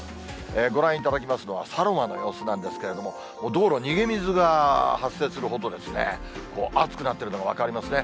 ご覧いただきますのは、佐呂間の様子なんですけれども、道路、逃げ水が発生するほどですね、暑くなっているの、分かりますね。